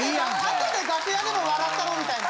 後で楽屋でも笑ったろみたいな。